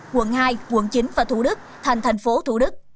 quận hai quận chín và thủ đức thành tp thủ đức